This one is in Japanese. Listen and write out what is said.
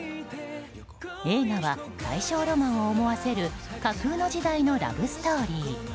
映画は大正ロマンを思わせる架空の時代のラブストーリー。